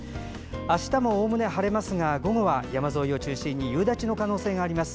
あしたも、おおむね晴れますが午後は山沿いを中心に夕立の可能性があります。